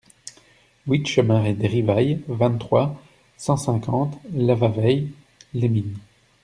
huit chemin des Rivailles, vingt-trois, cent cinquante, Lavaveix-les-Mines